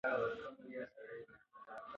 کله چې ما لوبه ولیده نو ډېر حیران شوم.